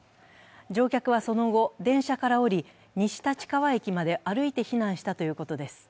乗客はその後、電車から降り、西立川駅まで歩いて避難したということです。